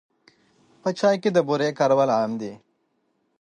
په چای کې د بوري کارول عام دي.